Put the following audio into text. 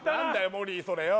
モリーそれよ